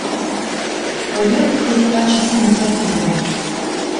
Пыйырт хоть качы сӹнзӓвӹдӹм.